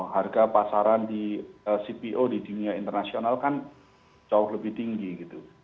harga pasaran di cpo di dunia internasional kan jauh lebih tinggi gitu